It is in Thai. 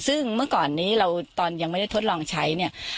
ซึ่งเมื่อก่อนนี้เราตอนยังไม่ได้ทดลองใช้เนี่ย